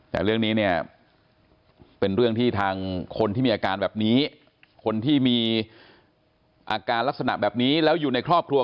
แต่เรื่องนี้เนี่ยเป็นเรื่องที่ทางคนที่มีอาการแบบนี้คนที่มีอาการลักษณะแบบนี้แล้วอยู่ในครอบครัว